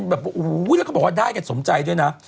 แล้วเขาบอกว่าได้กันสมใจด้วยนะ